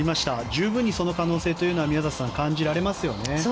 十分にその可能性は宮里さん、感じられますよね。